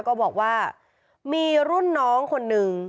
ก็บอกว่ามีรุ่นน้องคนนึง